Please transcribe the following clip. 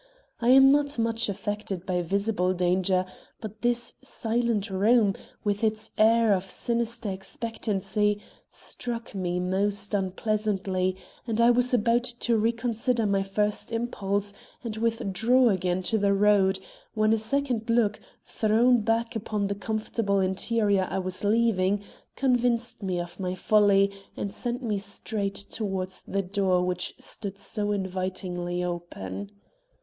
I am not much affected by visible danger, but this silent room, with its air of sinister expectancy, struck me most unpleasantly, and I was about to reconsider my first impulse and withdraw again to the road, when a second look, thrown back upon the comfortable interior I was leaving, convinced me of my folly and sent me straight toward the door which stood so invitingly open.